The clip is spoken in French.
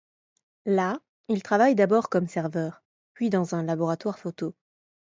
Là, il travaille d'abord comme serveur, puis dans un laboratoire photo.